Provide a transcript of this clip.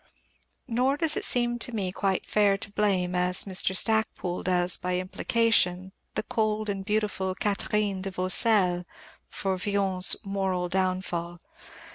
Nor does it seem to, me quite fair to blame, as Mr. Stacpoole does by implication, the cold and beautiful Katherine de Vaucelles for Villon's moral downfall.